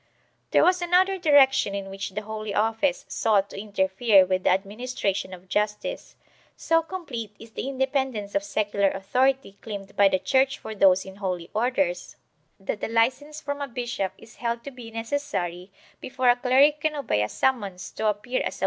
There was another direction in which the Holy Office sought to interfere with the administration of justice. So complete is the independence of secular authority claimed by the Church for those in holy orders, that a licence from a bishop is held to be necessary before a cleric can obey a summons to appear as a wit Consulta Magna (Bibl.